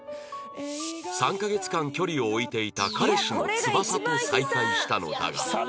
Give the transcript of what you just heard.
３カ月間距離を置いていた彼氏の翼と再会したのだが